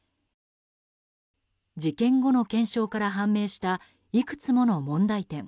事件後の検証から判明したいくつもの問題点。